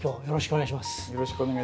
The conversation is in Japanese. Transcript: よろしくお願いします。